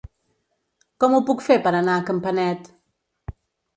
Com ho puc fer per anar a Campanet?